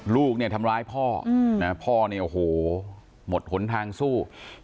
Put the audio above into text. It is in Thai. ลูกทำร้ายพ่อพ่อหมดผลทางสู้